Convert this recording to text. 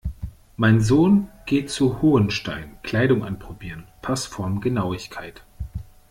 Mein Sohn geht zu Hohenstein, Kleidung anprobieren, Passformgenauigkeit.